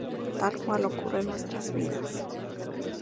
Tal cual ocurre en nuestras vidas.